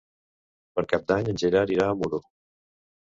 Per Cap d'Any en Gerard irà a Muro.